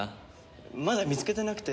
まだ見つけてなくて。